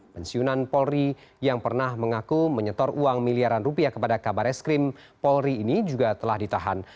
pensiunan polri yang pernah mengaku menyetor uang miliaran rupiah kepada kabar es krim polri ini juga telah ditahan